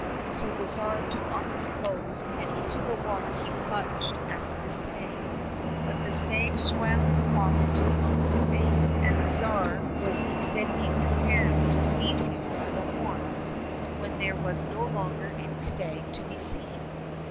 So the Tsar took off his clothes, and into the water he plunged after the stag. But the stag swam across to the opposite bank, and the Tsar was extending his hand to seize him by the horns — when there was no longer any stag to be seen.